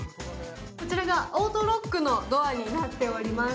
こちらがオートロックのドアになっております。